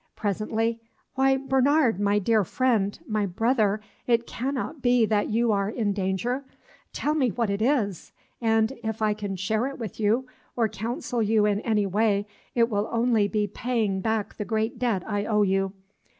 Presently, "Why, Bernard, my dear friend, my brother, it cannot be that you are in danger? Tell me what it is, and, if I can share it with you, or counsel you in any way, it will only be paying back the great debt I owe you.